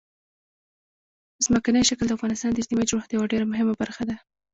ځمکنی شکل د افغانستان د اجتماعي جوړښت یوه ډېره مهمه برخه ده.